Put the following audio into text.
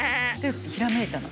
ひらめいたの。